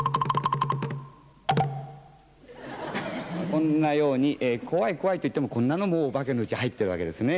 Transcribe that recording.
こんなように「コワいコワい」といってもこんなのもお化けのうちに入ってるわけですね。